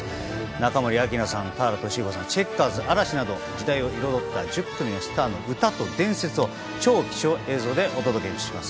中森明菜さん、田原俊彦さん、チェッカーズ、嵐など時代を彩った１０組のスターの歌と伝説を超貴重映像でお届けします。